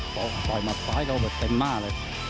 ปล่อยหมัดซ้ายเขาเต็มมากเลย